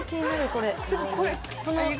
これ。